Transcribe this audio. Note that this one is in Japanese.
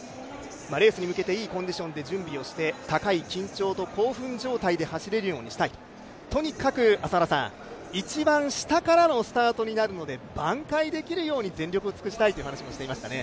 レースに向けていいコンディションで準備して走れるようにしたい、とにかく一番下からのスタートになるので、挽回できるように全力を尽くしたいとも話していましたね。